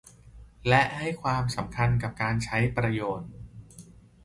และให้ความสำคัญกับการใช้ประโยชน์